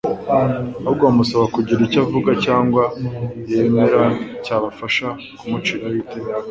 ahubwo bamusaba kugira icyo avuga cyangwa yemera cyabafasha kumuciraho iteka.